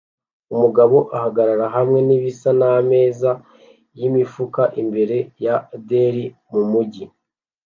Umugabo ahagarara hamwe nibisa nkameza yimifuka imbere ya deli mumujyi